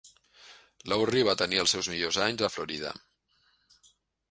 Lowry va tenir els seus millors anys a Florida.